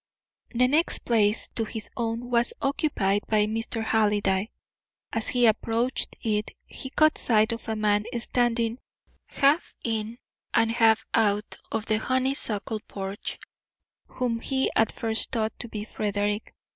The next place to his own was occupied by Mr. Halliday. As he approached it he caught sight of a man standing half in and half out of the honeysuckle porch, whom he at first thought to be Frederick.